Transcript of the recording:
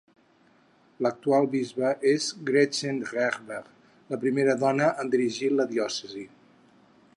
L'actual bisbe és Gretchen Rehberg, la primera dona en dirigir la Diòcesi.